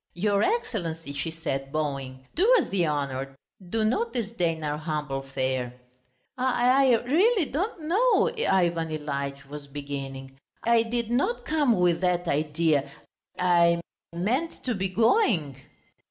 "Your Excellency," she said, bowing, "do us the honour, do not disdain our humble fare." "I ... I really don't know," Ivan Ilyitch was beginning. "I did not come with that idea ... I ... meant to be going...."